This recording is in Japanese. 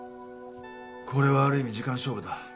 これはある意味時間勝負だ。